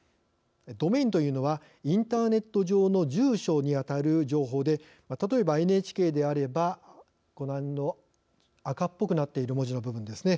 ドメインというのはインターネット上の住所にあたる情報で、例えば、ＮＨＫであればご覧の赤っぽくなっている文字の部分ですね。